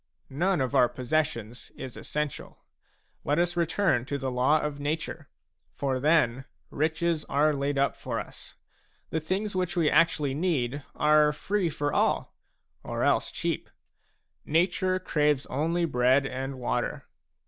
None of our possessions is essential. Let us return to the law of nature; for then riches are laid up for us. The things which we actually need are free for all, or else cheap ; nature craves only bread and water.